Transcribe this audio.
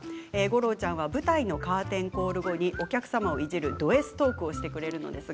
ごろちゃんは舞台のカーテンコール後にお客様をいじるドＳトークをしてくれます。